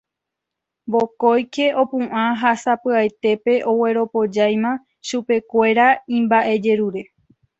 Vokóike opu'ã ha sapy'aitépe ogueropojáima chupekuéra imba'ejerure